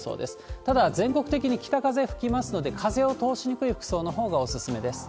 ただ、全国的に北風吹きますので、風を通しにくい服装のほうがお勧めです。